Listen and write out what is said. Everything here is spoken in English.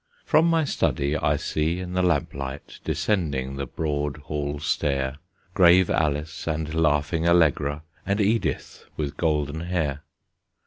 From my study I see in the lamplight, Descending the broad hall stair, Grave Alice, and laughing Allegra, And Edith with golden hair.